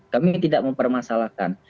kami tidak mempermasalahkan